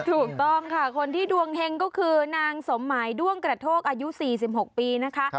ถูกต้องค่ะคนที่ดวงเฮงก็คือนางสมหมายด้วงกระโทกอายุ๔๖ปีนะคะ